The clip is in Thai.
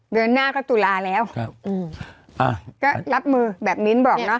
เดือนหน้าก็ตุลาแล้วครับอืมอ่าก็รับมือแบบมิ้นบอกเนาะ